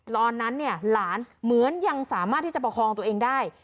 ตอนนั้นเนี่ยหลานเหมือนยังสามารถที่จะประคองตัวเองได้